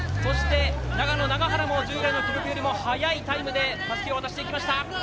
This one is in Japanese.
長野、永原も従来の記録よりも速いタイムでたすきを渡していきました。